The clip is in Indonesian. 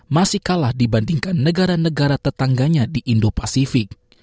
masih kalah dibandingkan negara negara tetangganya di indo pasifik